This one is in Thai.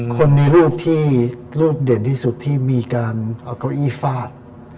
คนในรูปที่รูปเด่นที่สุดที่มีการเอาเก้าอี้ฟาด